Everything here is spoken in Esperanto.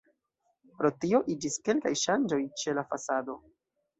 Pro tio iĝis kelkaj ŝanĝoj ĉe la fasado.